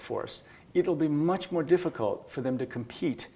jadi mereka belum membuat